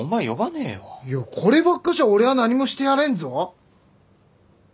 いやこればっかしは俺は何もしてやれんぞ。